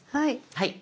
はい。